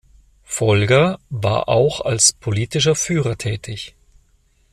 Volger war auch als politischer Führer tätig.